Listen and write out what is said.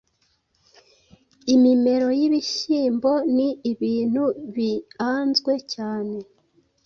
Imimero yibihyimbo ni ibintu bianzwe, cyane